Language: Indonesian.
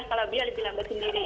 calabria lebih lambat sendiri